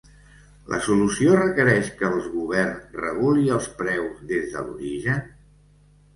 La solució requereix que el govern reguli els preus des de l’origen?